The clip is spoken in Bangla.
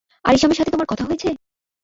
আরিশেমের সাথে তোমার কথা হয়েছে?